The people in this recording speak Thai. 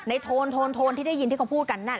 โทนโทนที่ได้ยินที่เขาพูดกัน